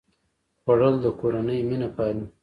خوړل د کورنۍ مینه پالي